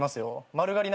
丸刈り。